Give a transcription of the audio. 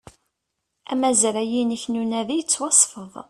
Amazray-inek n unadi yettwasfed